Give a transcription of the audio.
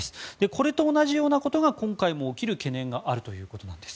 これと同じようなことが今回も起きる懸念があるということなんです。